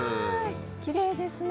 きれいですね。